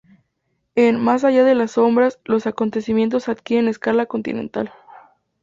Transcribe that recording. En "Más allá de las sombras" los acontecimientos adquieren escala continental.